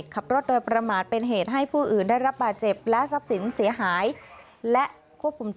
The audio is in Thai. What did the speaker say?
ขอโทษครับผม